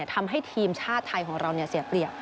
ทำให้ทีมชาติไทยของเราเสียเปรียบ